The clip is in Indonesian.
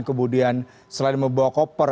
kemudian selain membawa koper